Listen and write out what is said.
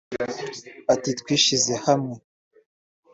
Ati “Twishyize hamwe